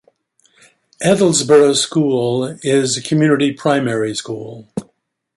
Edlesborough School is a community primary school.